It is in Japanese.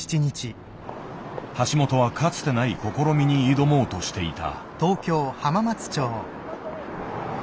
橋本はかつてない試みに挑もうとしていた。